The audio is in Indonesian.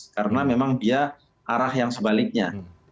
karena memang dia arah yang sebaliknya